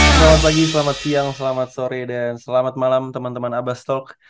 selamat pagi selamat siang selamat sore dan selamat malam teman teman abastolk